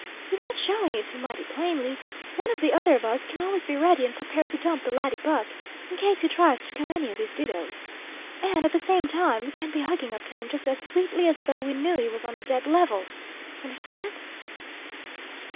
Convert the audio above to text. "Without showing it too mighty plainly, one or the other of us can always be ready and prepared to dump the laddy buck, in case he tries to come any of his didoes. And, at the same time, we can be hugging up to him just as sweetly as though we knew he was on the dead level. Understand?"